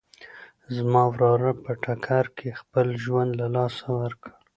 زما وراره په ټکر کې خپل ژوند له لاسه ورکړ